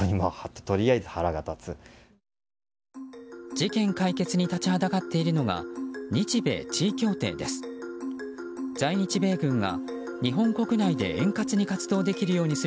事件解決に立ちはだかっているのが日米地位協定です。